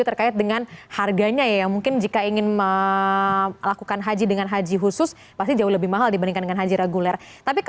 tidak jamin juga sebetulnya